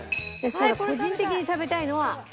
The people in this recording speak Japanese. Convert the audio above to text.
個人的に食べたいのは。